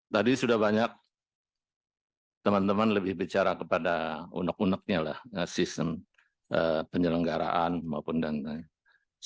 tadi sudah banyak teman teman lebih bicara kepada unek uneknya lah sistem penyelenggaraan maupun dan lain lain